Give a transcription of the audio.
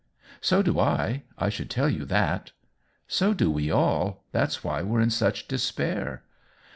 " So do I. I should tell you that." " So do we all. That's why we're in such despair."